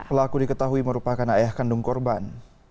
pelaku diketahui merupakan ayah kandung korban